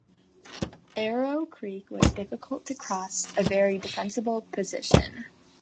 Arrow Creek was difficult to cross - a very defensible position.